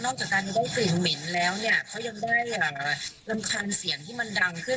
จากการได้กลิ่นเหม็นแล้วเนี่ยเขายังได้รำคาญเสียงที่มันดังขึ้น